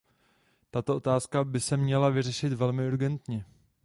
Tato otázka byla se měla vyřešit velmi urgentně.